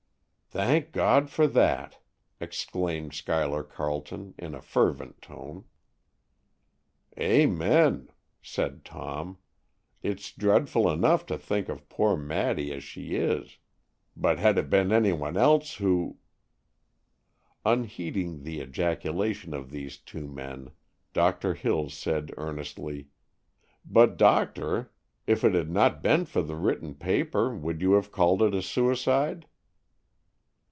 "Thank God for that!" exclaimed Schuyler Carleton, in a fervent tone. "Amen," said Tom. "It's dreadful enough to think of poor Maddy as she is, but had it been any one else who——" Unheeding the ejaculations of the two men, Doctor Hills said earnestly, "But, Doctor, if it had not been for the written paper, would you have called it suicide?"